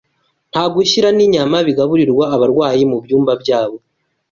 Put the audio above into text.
ntagushyira n’inyama bigaburirwa abarwayi mu byumba byabo